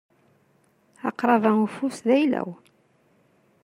Aqrab-a ufus d ayla-w.